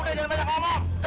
hadeh kemampuan bhajan